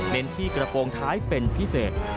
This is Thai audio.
ที่กระโปรงท้ายเป็นพิเศษ